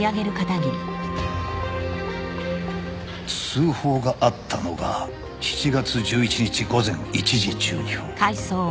通報があったのが７月１１日午前１時１２分。